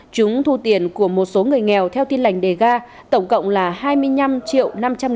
chúng thu tiền của một số người nghèo theo tin lành đề ga tổng cộng là hai mươi năm triệu năm trăm linh nghìn đồng